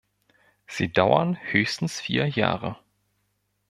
Sie dauern höchstens vier Jahre.